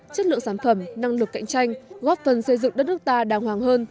chất lượng sản phẩm năng lực cạnh tranh góp phần xây dựng đất nước ta đàng hoàng hơn